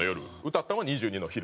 歌ったんは２２の昼。